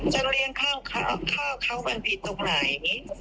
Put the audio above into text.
จะเลี้ยงข้าวเขามันผิดตรงไหน